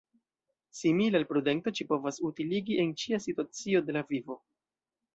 Simile al prudento ĝi povas utiligi en ĉia situacio de la vivo.